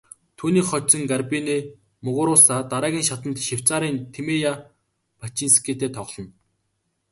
Түүнийг хожсон Гарбинэ Мугуруса дараагийн шатанд Швейцарын Тимея Бачинскитэй тоглоно.